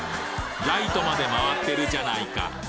ライトまで回ってるじゃないか